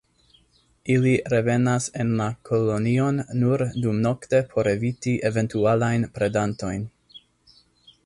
Ili revenas en la kolonion nur dumnokte por eviti eventualajn predantojn.